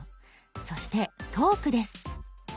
そして「トーク」です。